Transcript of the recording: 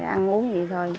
ăn uống vậy thôi